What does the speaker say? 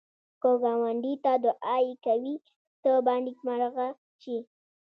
که ګاونډي ته دعایې کوې، ته به نېکمرغه شې